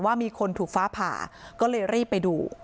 ว่ามีคนถูกฟ้าผ่าก็เลยรีบไปดู